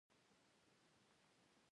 فلم د انسان روان ته رسیږي